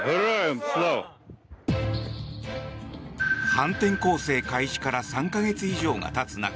反転攻勢開始から３か月以上がたつ中